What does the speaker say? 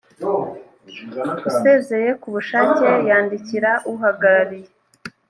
usezeye ku bushake yandikira uhagarariye